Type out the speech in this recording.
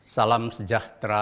salam sejahtera untuk kutuban anda